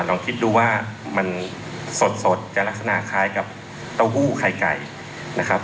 ลองคิดดูว่ามันสดจะลักษณะคล้ายกับเต้าหู้ไข่ไก่นะครับ